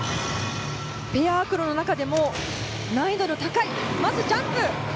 ペアアクロの中でも難易度の高いまずジャンプ。